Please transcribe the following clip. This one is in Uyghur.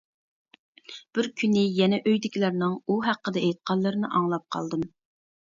بىر كۈنى يەنە ئۆيدىكىلەرنىڭ ئۇ ھەققىدە ئېيتقانلىرىنى ئاڭلاپ قالدىم.